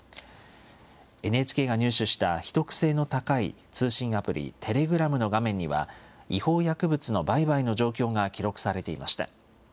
ＮＨＫが入手した秘匿性の高い通信アプリ、テレグラムの画面には、違法薬物の売買の状況が記録されていました。